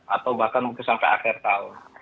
atau bahkan mungkin sampai akhir tahun